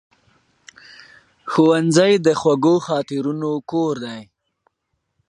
ښوونځی د خوږو خاطرونو کور دی